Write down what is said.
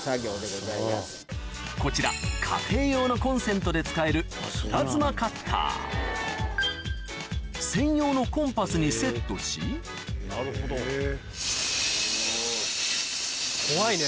こちら家庭用のコンセントで使える専用のコンパスにセットし怖いね。